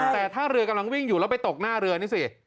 แต่ถ้าเรือกำลังวิ่งอยู่แล้วไปตกหน้าเรือนี่สิ